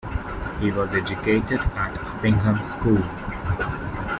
He was educated at Uppingham School.